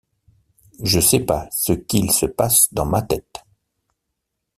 Je sais pas ce qu'il se passe dans ma tête.